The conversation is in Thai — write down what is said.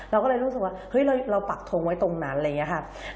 เราก็เลยรู้สึกว่าเฮ้ยเราปักทงไว้ตรงนั้นอะไรอย่างนี้ค่ะ